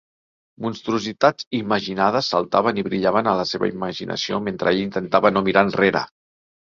Monstruositats imaginades saltaven i brillaven a la seva imaginació mentre ell intentava no mirar enrere.